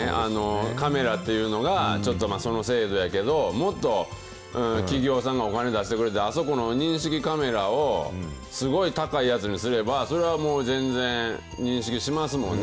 カメラっていうのが、ちょっとその精度やけど、もっと企業さんがお金出してくれて、あそこの認識カメラをすごい高いやつにすれば、それはもう全然認識しますもんね。